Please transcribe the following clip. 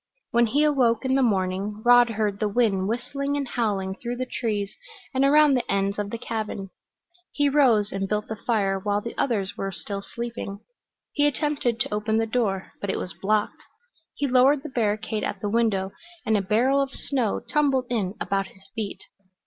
When he awoke in the morning Rod heard the wind whistling and howling through the trees and around the ends of the cabin. He rose and built the fire while the others were still sleeping. He attempted to open the door, but it was blocked. He lowered the barricade at the window, and a barrel of snow tumbled in about his feet.